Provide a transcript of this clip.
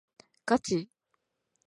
ガチ？